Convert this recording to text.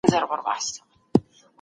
سیاستپوهنه تر فزیک ډېره پېچلې ده.